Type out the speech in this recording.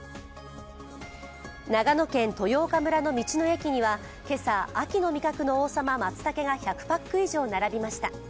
長野県豊岡村の道の駅には今朝、秋の味覚の王様、まつたけが１００パック以上、並びました。